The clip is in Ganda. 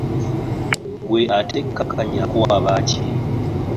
Gwe atekkakanyaako wabaki?